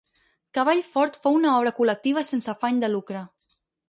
Cavall Fort fou una obra col·lectiva i sense afany de lucre.